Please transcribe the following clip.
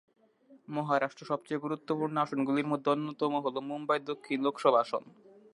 মহারাষ্ট্র সবচেয়ে গুরুত্বপূর্ণ আসনগুলির মধ্যে অন্যতম হল মুম্বাই দক্ষিণ লোকসভা আসন।